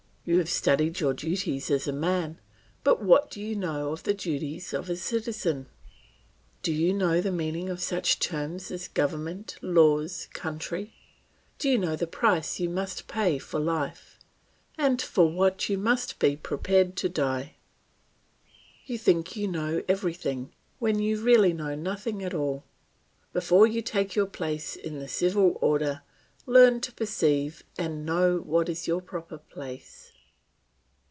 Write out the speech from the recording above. You have studied your duties as a man, but what do you know of the duties of a citizen? Do you know the meaning of such terms as government, laws, country? Do you know the price you must pay for life, and for what you must be prepared to die? You think you know everything, when you really know nothing at all. Before you take your place in the civil order, learn to perceive and know what is your proper place.